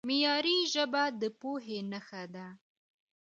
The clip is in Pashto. معیاري ژبه د پوهې نښه ده.